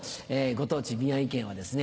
ご当地宮城県はですね